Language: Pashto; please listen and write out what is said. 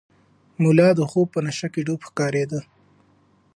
ملا د خوب په نشه کې ډوب ښکارېده.